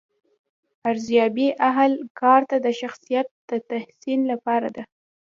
ارزیابي اهل کار ته د شخصیت د تحسین لپاره ده.